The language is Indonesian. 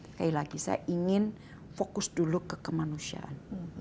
sekali lagi saya ingin fokus dulu ke kemanusiaan